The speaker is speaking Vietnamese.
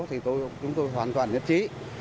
thì chúng tôi hoàn toàn nhất trí